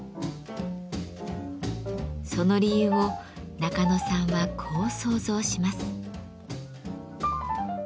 その理由を中野さんはこう想像します。